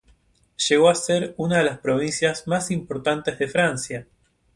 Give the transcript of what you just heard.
Llego a ser una de las provincias más importantes de Francia.